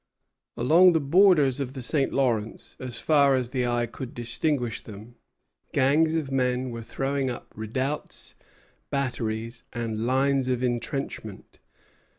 Along the borders of the St. Lawrence, as far as the eye could distinguish them, gangs of men were throwing up redoubts, batteries, and lines of intrenchment.